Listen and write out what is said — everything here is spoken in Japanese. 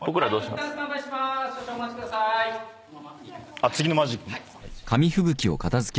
あっ次のマジック？